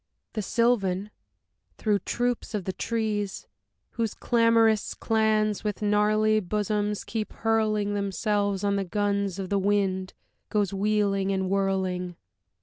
The Sylvan, through troops of the trees, Whose clamorous clans with gnarly bosoms keep hurling Themselves on the guns of the wind, goes wheeling and whirling.